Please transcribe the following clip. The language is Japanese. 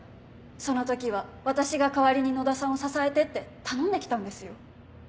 その時は私が代わりに野田さんを支えてって頼んできたんですよ。